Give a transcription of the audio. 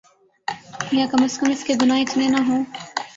یاکم ازکم اس کے گناہ اتنے نہ ہوں۔